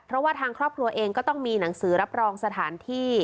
เพราะว่าทางครอบครัวเองก็ต้องมีหนังสือรับรองสถานที่